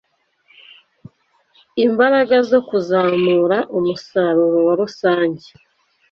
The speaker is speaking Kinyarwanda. imbaraga zo kuzamura umusaruro wa rusange